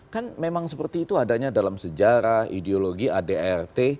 kan memang seperti itu adanya dalam sejarah ideologi adrt